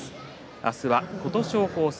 明日は琴勝峰戦。